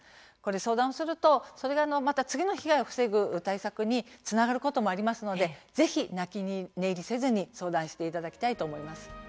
相談すると次の被害を防ぐ対策につながることもありますのでぜひ泣き寝入りせずに相談していただきたいと思います。